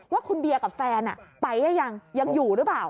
ว่าคุณเบียร์กับแฟนไปหรือยังยังอยู่หรือเปล่า